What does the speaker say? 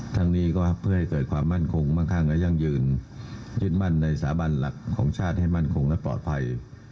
ทั้งนี้ก็เพื่อให้เกิดความมั่นคงมั่งข้างและยั่งยืนยึดมั่นในสาบันหลักของชาติให้มั่นคงและปลอดภัย